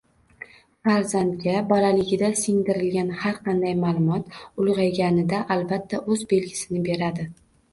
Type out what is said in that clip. Farzandga bolaligida singdirilgan har qanday ma’lumot ulg‘ayganida albatta o‘z belgisini beradi.